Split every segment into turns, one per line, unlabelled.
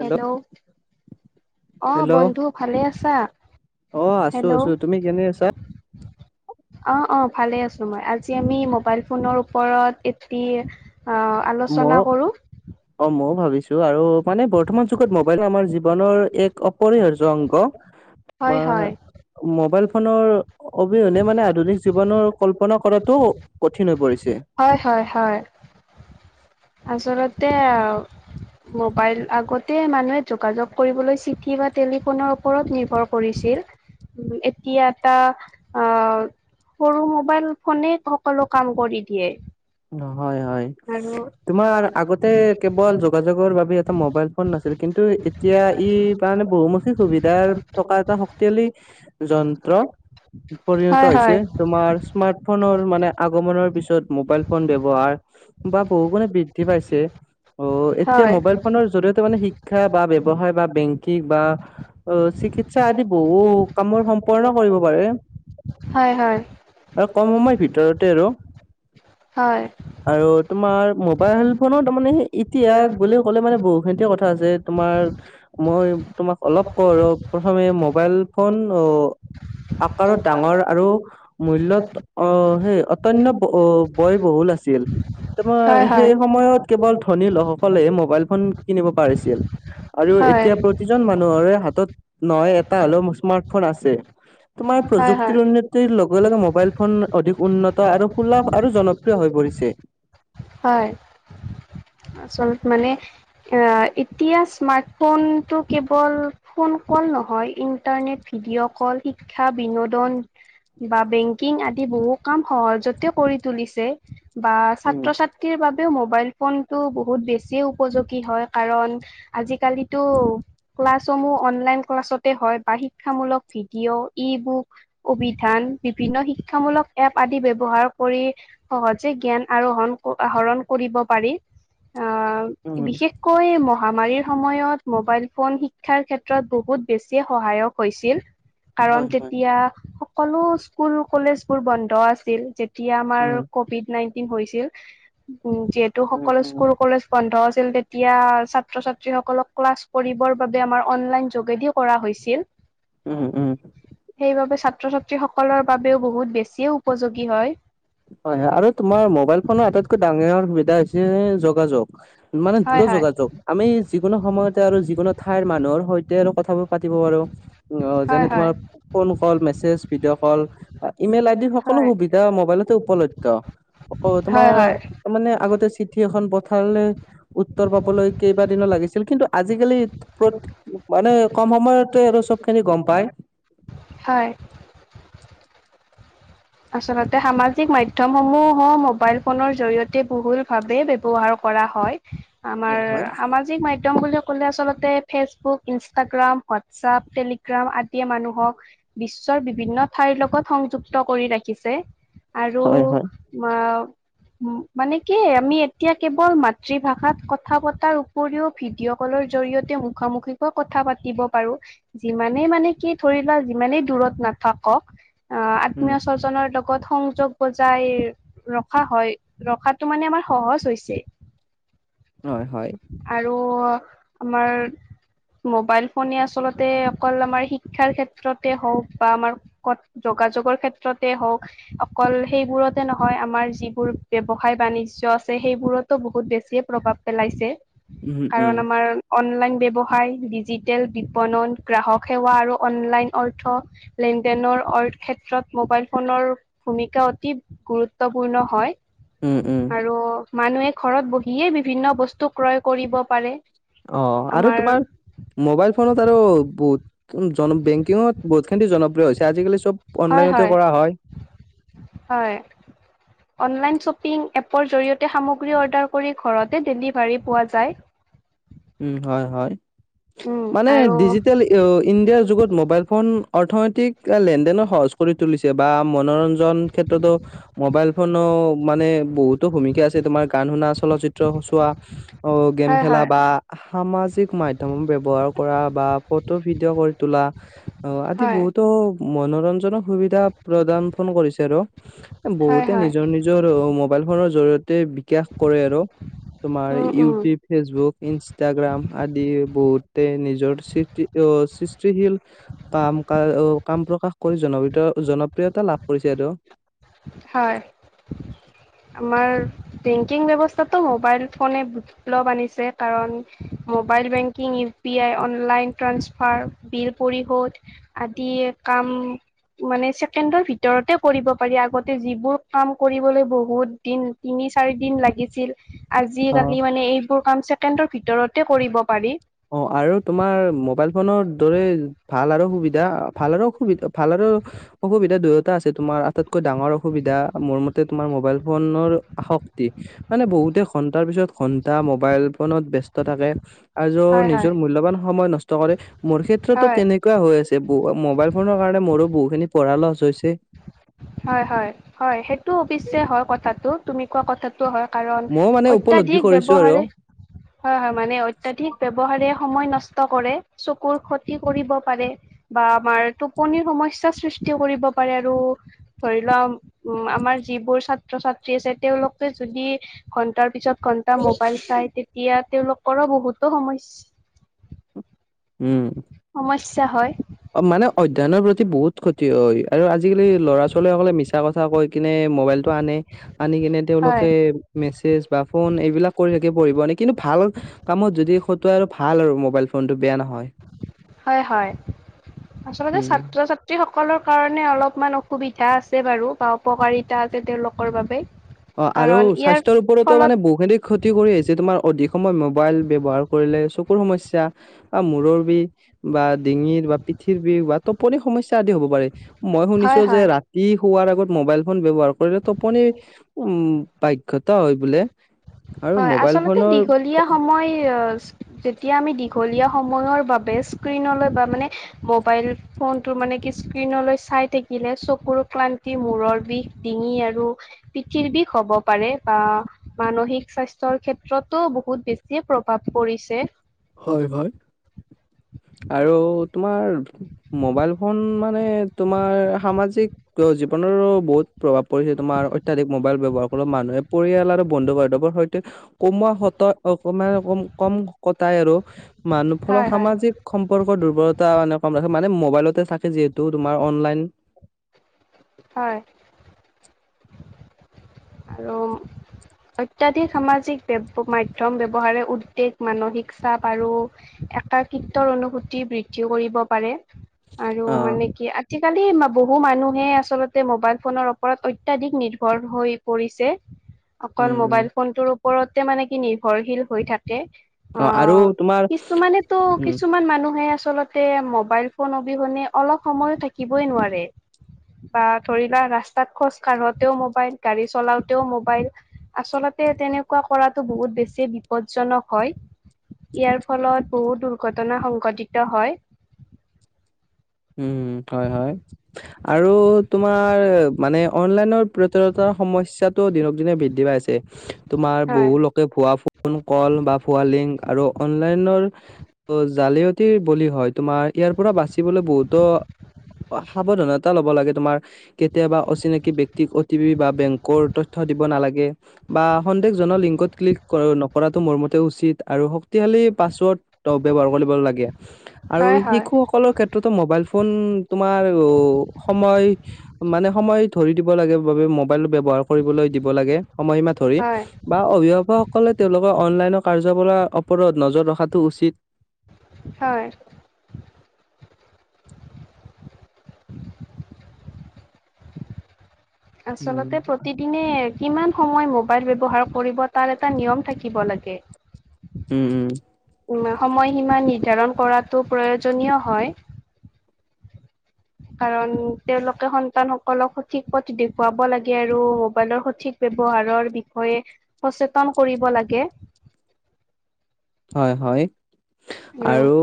Hello অ
hello
বন্ধু ভালে আছা?
আহ আছো
হেল্ল'
আছো তুমি কেনে আছা [inaudible]
অ অ ভালে আছো মই আজি আমি মোবাইল ফোনৰ ওপৰত এটি অ আলোচনা
মইয়ো
কৰো
অ মইয়ো ভাবিছো আৰু মানে বৰ্তমান যুগত মোবাইল আমাৰ জীৱনৰ এক অপৰিহাৰ্য অংগ
হয়
আমাৰ
হয়
মোবাইল ফোনৰ অবিহনে মানে আধুনিক জীৱনৰ কল্পনা কৰাতটো কঠিন হৈ পৰিছে
হয় হয় হয় আচলতে মোবাইল আগতে মানুহে যোগাযোগ কৰিবলৈ চিঠি বা টেলিফোনৰ ওপৰত নিৰ্ভৰ কৰিছিল এতিয়া এটা আহ সৰু মোবাইল ফোনে সকলো কাম কৰি দিয়ে
হয় হয়
আৰু
তোমাৰ আগতে কেৱল যোগাযোগৰ বাবে এটা মোবাইল ফোন নাছিল কিন্তু এতিয়া ই মানে বহুমুখী সুবিধাৰ থকা এটা শক্তিশালী যন্ত্ৰ পৰিণত
হয় হয়
হৈছে তোমাৰ স্মাৰ্ট ফোনৰ মানে আগমনৰ পিছত মোবাইল ফোন ব্যৱহাৰ বা বহু গুণে বৃদ্ধি পাইছে অ এতিয়া
হয়
মোবাইল ফোনৰ জৰিয়তে মানে শিক্ষা বা ব্যৱসায় বা বেংকিং বা অ চিকিৎসা আদি বহু কামৰ সম্পন্ন কৰিব পাৰে
হয় হয়
আৰু কম সময়ৰ ভিতৰতে আৰু।
হয়
আৰু তোমাৰ মোবাইল ফোনত তাৰমানে ইতিহাস বুলি ক'লে মানে বহুখিনিয়ে কথা আছে তোমাৰ মই তোমাক অলপ কওঁ আৰু প্ৰথমে মোবাইল ফোন অ আকাৰত ডাঙৰ আৰু মূল্যত আ হ সেই অতন্য বয় বহুল আছিল তোমাৰ
হয় হয়।
সেই সময়ত কেৱল ধনী লোকসকলে মোবাইল ফোন কিনিব পাৰিছিল আৰু
হয়
এতিয়া প্ৰতিজন মানুহৰে হাতত নহয় এটা হলেও স্মাৰ্টফোন আছে তোমাৰ
হয়
প্ৰযুক্তিৰ
হয়।
উন্নতিৰ লগে লগে মোবাইল ফোন অধিক উন্নত আৰু সুলভ আৰু জন
হয় আচলতে মানে অ এতিয়া স্মাৰ্ট ফোনতটো কেৱল ফোন কল নহয় ইণ্টাৰনেট ভিডিঅ' কল, শিক্ষা বিনোদন বা বেংকিং আদি বহু কাম সহজতে কৰি তুলিছে বা
উম
ছাত্ৰ ছাত্ৰীৰ বাবে তথাপিও মোৱাইল ফোনতটো বহুত বেছিও উপযোগী হয় কাৰণ আজিকালিতো ক্লাছসমূহ অনলাইন ক্লাছতে হয় বা শিক্ষামূলক ভিডিঅ', ই বুক, অভিধান বিভিন্ন শিক্ষামূলক এপ আদি ব্যৱহাৰ কৰি সহজে জ্ঞান আৰোহণ আহৰণ কৰিব পাৰি অ
উম
বিশেষকৈ মহ মহামাৰীৰ সময়ত মোৱাইল ফোন শিক্ষাৰ ক্ষেত্ৰত বহুত বেছি সহায়ক হৈছিল কাৰণ
হয় হয়
তেতিয়া সকলো স্কুল কলেজ বোৰ বন্ধ আছিল। যেতিয়া আমাৰ
উম
কভিড নাইনটিন হৈছিল যিহেতু
উম
সকলো
উম
স্কুল কলেজ বন্ধ আ ছিল তেতিয়া ছাত্ৰ ছাত্ৰীসকলক ক্লাছ কৰিবৰ বাবে আমাৰ অনলাইন যোগেদি কৰা হৈছিল।
উম উম
সেইবাবে ছাত্ৰ-ছাত্ৰী সকলৰ বাবেও বহুত বেছিয়ো উপযোগী হয়।
হয় হয় এয়া হৈছে যোগাযোগ। মানে
হয়
দূৰত্ব
হয়
যোগাযোগ আমি যিকোনো সময়তে আৰু যিকোনো ঠাইৰ মানুহৰ সৈতে আৰু কথাবোৰ পাতিব পাৰোঁ। অ
হয়
যেনে
হয়
তোমাৰ phone call, message video call, email ID সকলো
হয়
সুবিধা মোবাইলত উপলব্ধ আকৌ তোমাৰ
হয় হয়
তাৰ মানে আগতে চিঠি এখন পঠালে উত্তৰ পাবলৈ কেইবাদিনো লাগিছিল কিন্তু আজিকালি মানে কম সময়তে আৰু চবখিনি গম পায়।
হয়।
[unintelligible]
আচলতে সামাজিক মাধ্যমসমূহো মোবাইল ফোনৰ জৰিয়তে বহুল ভাৱে ব্যৱহাৰ কৰা হয়, আমাৰ
হয় হয়
সামাজিক মাধ্যম বুলি কলে আচলতে ফেচবুক, ইনষ্টাগ্ৰাম, হোৱাটছআপ, টেলিগ্ৰাম আদিয়ে মানুহক বিশ্ব শৰ বিভিন্ন ঠাইৰ লগত সংযুক্ত কৰি ৰাখিছে আৰু
হয় হয়
আ মানে কি আমি এতিয়া কেৱল মাতৃভাষাত কথা পতাৰ উপৰিও ভিডিঅ ক'ল জৰিয়তে মুখামুখিকৈ কথা পাতিব পাৰো, যিমানে মানে কি ধৰি লোৱা যিমানে দূৰত নাথাকক, আ
উম
আত্মীয় স্বজনৰ লগ আগত সংযোগ বজাই ৰখা হয়, ৰখাটো মানে আমাৰ সহজ হৈছে।
হয় হয়।
অ আমাৰ মোবাইল ফোনে আচলতে অকল আমাৰ শিক্ষাৰ ক্ষেত্ৰতে হওক বা আমাৰ ক'ত যোগাযোগৰ ক্ষে ক্ষেত্ৰতে হওক, অকল সেইবোৰতে নহয় আমাৰ যিবোৰ ব্যৱসায়- বাণিজ্য আছে সেইবোৰত ত বহুত বেছি এ প্ৰভাৱ পেলাইছে
উম উম
কাৰণ আমাৰ অন অনলাইন ব্যৱসায়, ডিজিটেল বিপণন, গ্ৰাহক সেৱা আৰু অনলাইন অৰ্থ, লেনদেন এনৰ অৰ ক্ষেত্ৰত মোবাইল ফোনৰ ভূমিকা অতি গুৰুত্বপূৰ্ণ হয়
উম উম
আৰু মানুহে ঘৰত বহিয়ে বিভিন্ন বস্তু ক্ৰয় কৰিব পাৰে।
অ আৰু
আমাৰ
তোমাৰ মোবাইল ফোনত আৰু বহুত জন বেংকিঙত বহুতখিনি জনপ্ৰিয় হৈছে আজিকালি চব প
হয় হয়, হয় অনলাইন শ্বপিং এপৰ জৰিয়তে সামগ্ৰী অৰ্ডাৰ কৰি ঘৰতে ডেলিভাৰী পোৱা যায়।
উম, হয় হয়
উম
মানে
আৰু
ডিজিটেল ইণ্ডিয়াৰ যুগত মোবাইল ফোন অৰ্থনৈতিক লেনদেন সহজ কৰি তুলিছে বা মনোৰন জন ক্ষেত্ৰতো মোবাইল ফোনো মানে বহুতো ভূমিকা আছে তোমাৰ গান শুনা, চলচিত্ৰ চোৱা, অ গেম
হয়
খেলা
হয়
বা সামাজিক মাধ্যম ব্যৱহাৰ কৰা বা ফটো ভিডিঅ' কৰি তোলা অ আদি
হয়
বহুতো মনোৰঞ্জনক সুবিধা প্ৰদান কৰিছে আৰু
হয়
বহুতে
হয়
নিজৰ নিজৰ মোবাইল ফোনৰ জৰিয় তেই বিকাশ কৰে আৰু তোমাৰ
উম উম
ইউটিউব, ফেচবুক, ইনস গ্ৰাম আদি বহুতে নিজৰ সৃষ্টি সৃষ্টিশীল কাম কা অ কাম প্ৰকাশ কৰি জনপ্ৰিয়তা জনপ্ৰিয়তা লাভ কৰিছে আৰু।
হয়।
[unintelligible]
আমাৰ বেংকিং ব্যৱস্থাটো মোবাইল ফোনে বিপ্লব আনিছে কাৰণ মো mobile banking, U P I, online transfer, bill পৰিশোধ আদিৰ কাম
[unintelligible]
মানে ছেকেণ্ডৰ ভিতৰতে পৰিব। পাৰি আগতে যিবোৰ কাম কৰিবলৈ বহুত দিন তিনি -চাৰি দিন লাগিছিল
অ
আজিকালি মানে এইবোৰ কাম ছেকেণ্ডৰ ভিতৰতে কৰিব পাৰি।
অ আৰু তোমাৰ মোবাইল ফোনৰ দৰে ভাল আৰু সুবিধা ভাল আৰু সুবিধা ভাল আৰু উ অসুবিধা দুয়ো টা আছে তোমাৰ আটাইতকৈ ডাঙৰ অসুবিধা মোৰ মতে তোমাৰ মোবাইল ফোনৰ আসক্তি, মানে বহু গোটেই ঘণ্টাৰ পিছত ঘন্টা মোবাইল ফোনত ব্যস্ত থাকে আৰু
হয় হয়
নিজৰ মূল্যবান সময় নষ্ট কৰে মোৰ ক্ষেত্ৰতো
হয়
তেনেকুৱা হৈ আছে বহু মোবাইল ফোনৰ কাৰণে মোৰো বহুখিনি পঢ়া লছ হৈছে
হয় হয় হয় সেইটো অৱশ্যে হয় কথাটো তুমি কোৱা কথা হয় কাৰণ
ময়ো মানে উপলব্ধি
অত্যাধিক
কৰিছো আৰু
ব্যৱহাৰে হয় হয় মানে অত্যাধিক ব্যৱহাৰে সময় নষ্ট কৰে চকুৰ ক্ষতি কৰিব পাৰে বা আমাৰ টোপনিৰ সমস্যা সৃষ্টি কৰিব পাৰে আৰু ধৰি লোৱা উ আমাৰ যিবোৰ ছাত্ৰ ছাত্ৰী আছে তেওঁলোকে যদি ঘন্টাৰ পিছত ঘন্টা মোবাইল চাই তেতিয়া তেওঁলোকৰো বহুতো সমস্যা
উম
সমস্যা হয়
অ মানে অধ্যয়নৰ প্ৰতি বহুত ক্ষতি হয় আৰু আজিকালি ল'ৰা ছোৱালীসকলে মিছা কথা কৈ কিনে ম'বাইল টো আনে আনি কিনে
হয়
তেওঁলোকে মেছেজ বা ফোন এইবিলাক কৰি পঢ়িব নেকি ভাল কামত যদি খতোৱা আৰু ভাল আৰু মোবাইল ফোনটো বেয়া নহয়
হয় হয় আচলতে
উম
ছাত্ৰ ছাত্ৰী সকলৰ কাৰণে অলপমান অসুবিধা সুবিধা আছে বাৰু বা উপকাৰিতা আছে তেওঁলোকৰ বাবে
অ আৰু
কাৰণ ইয়াৰ
স্বাস্থ্যৰ ওপৰতো
ফলত
মানে বহু খিনি ক্ষতি কৰি আহিছে তোমাৰ অধিক সময় মোবাইল ব্যৱহাৰ কৰিলে চকুৰ সমস্যা বা মূৰৰ বিষ বা ডিঙিৰ বা পিঠিৰ বিষ বা টোপনি সমস্যা আদি হ'ব পাৰে মই
হয়
শুনিছোঁ যে
হয়
ৰাতি শোৱাৰ আগত মোবাইল ফোন ব্যৱহাৰ কৰিলে টোপনিৰ উম প্ৰায় ক্ষতি হয় বোলে আৰু
হয়
মোবাইল
আচলতে
ফোনৰ
দীঘলীয়া সময় যেতিয়া আমি দীঘলীয়া সময়ৰ বাবে স্কৃনলৈ বা মানে মবাইল ফোন মানে কি স্কৃনৰ চাই থাকিলে চকুৰ ক্লান্তি মূৰৰ বিষ ডিঙি আৰু পিঠিৰ বিষ হ'ব পাৰে বা মানসিক স্বাস্থ্যৰ ক্ষেত্ৰতো বহুত বেছিয়ে প্ৰভাৱ পৰিছে
হয় হয় আৰু তোমাৰ মোবাইল ফোন মানে তোমাৰ সামাজিক জীৱন বহুত প্ৰভাৱ পৰিছে তোমাৰ অত্যাধিক মোবাইল ব্যৱহাৰ কৰ মানুহে পৰিয়াল আৰু বন্ধু বান্ধৱৰ সৈতে কমোৱা সতে অকণমান কম তাই আৰু মানুহ
হয়
ফলত
হয়
সামাজিক সম্পৰ্কৰ দুৰ্বলতা কম ৰাখে মানে মোবাইলতে থাকে যিহেতু তোমাৰ অনলাইন
হয় আৰু অত্যাধিক সামাজিক ব মাধ্যম ব্যৱহাৰে উদ্বেগ মানসিক চাপ আৰু একাকৃতৰ অনুভূতি বৃদ্ধি কৰিব পাৰে আৰু
অ
মানে কি আৰ্থিক আজিকালি বহু মানুহে আচলতে মোবাইল ফোনৰ ওপৰত অত্যাধিক নিৰ্ভৰ হৈ পৰিছে অকল
উম উম
মোবাইল ফোনটোৰ ওপৰতে মানে কি নিৰ্ভৰশীল হৈ থাকে অ
আৰু তোমাৰ
কিছুমানেতো
উম
কিছুমান মানুহে আচলতে মোবাইল ফোন অবিহনে অলপ সময়ো থাকিবই নোৱাৰে বা ধৰিবা ৰাস্তাত খোজ কাঢ়োতেও মোবাইল গাড়ী চলাওতেও মোবাইল আচলতে তেনেকুৱা কৰাতটো বহুত বেছি বিপদজনক হয় ইয়াৰ ফলত বহু দুৰ্ঘটনা সংঘটিত হয়
উম হয় হয় আৰু তোমাৰ মানে অনলাইনৰ প্ৰতাৰতা সমস্যটো দিনক দিনে বৃদ্ধি পাই ছে তোমাৰ
হয়
বহু লোকে ভুৱ ফোন কল বা ভুৱা লিংক আৰু অনলাইনৰ জালিয়তি বলি হয় তোমাৰ ইয়াৰ পৰা বাচিবলৈ বহুত তো সাৱধানতা ল'ব লাগে তোমাৰ কেতিয়াবা অচিনাকি ব্যক্তি অটি পি বা বেংকৰ তথ্য দিব নালাগে বা সন্দেহ লিংকত ক্লিক নকৰাটো মোৰ মতে উচিত আৰু শক্তিশালী পাছৱৰ্ড ব্যৱহাৰ কৰিব লাগে
হয় হয়
শিশুসকলৰ ক্ষেত্ৰত মবাইল ফোন তোমাৰ সময় মানে সময় ধৰিদিব লাগে বাবে মবাইল ব্যৱহাৰ কৰিবলৈ দিব লাগে সময়সীমা ধৰি
হয়
বা অভিভাৱকসকলে তেওঁলোকৰ অনলাইনৰ কাৰ্য বোৰৰ ওপৰত নজৰ ৰখাটো উচিত
হয়।
উম
আচলতে প্ৰতিদিনে কিমান সময় ম বাইল ব্যৱহাৰ কৰিব তাৰ এটা নিয়ম থাকিব লাগে।
উম উম।
সীমা সময়সীমা নিৰ্ধাৰণ কৰাটো প্ৰয়োজনীয় হয় কাৰণ তেওঁলোকে সন্তান সকলক সঠিক পথ দেখুৱাব লাগে আৰু মোবাইলৰ সঠিক ব্যৱ ব্যৱহাৰৰ বিষয়ে সচেতন কৰিব লাগে।
হয় হয়। আৰু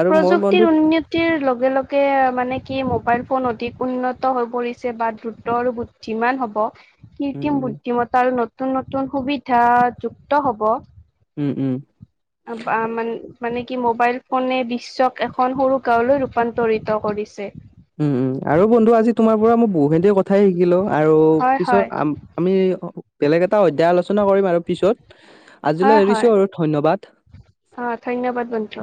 আৰু মই
প্ৰযুক্তিৰ
বন্ধু
উন্নতিৰ লগ লগে লগে মানে কি মোবাইল ফোন অধিক উন্নত হৈ পৰিছে বা দ্ৰুতৰ বুদ্ধিমান হ'ব কৃত্ৰিম
উম
বুদ্ধিমত্তা আৰু নতুন নতুন সুবিধা যুক্ত হব।
উম উম
আ আ মান মানে কি মোবাইল ফোনে বিশ্বক এখন সৰু গাঁওলৈ ৰূপান্তৰিত কৰিছে।
উম উম আৰু বন্ধু আজি তোমাৰ পৰা মই বহুখিনি কথাই শিকিলোঁ, আৰু
হয় হয়
পিছত আমি বেলেগ এটা অধ্যায় আলোচনা কৰিম আৰু পিছত
হয়
আজিলৈ এৰিছো
হয়
আৰু ধন্যবাদ।
অ ধন্যবাদ বন্ধু।